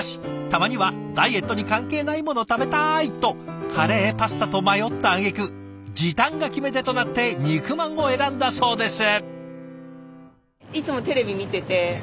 たまにはダイエットに関係ないもの食べたいとカレーパスタと迷ったあげく時短が決め手となって肉まんを選んだそうです。